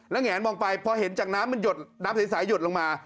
แหงมองไปพอเห็นจากน้ำมันหยดน้ำใสหยดลงมา